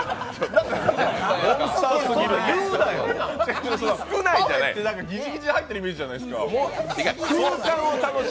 パフェってギチギチに入ってるイメージじゃないですか。